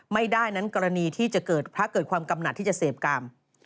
ไม่ได้นั้นกรณีที่จะเกิดพระเกิดความกำหนักที่จะเสพกรรม